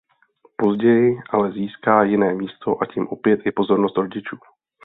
Později ale získá jiné místo a tím opět i pozornost rodičů.